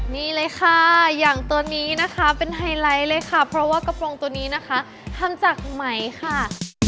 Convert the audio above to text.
นี่เลยค่ะอย่างตัวนี้นะคะเป็นไฮไลท์เลยค่ะเพราะว่ากระโปรงตัวนี้นะคะทำจากไหมค่ะ